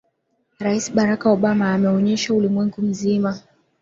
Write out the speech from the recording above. rais barak obama ameonyesha ulimwengu mzima